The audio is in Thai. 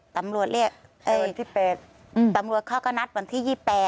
ตำรวจเรียกวันที่๘ตำรวจเขาก็นัดวันที่๒๘